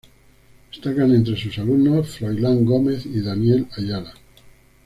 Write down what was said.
Destacan entre sus alumnos Froilán Gómez y Daniel Ayala.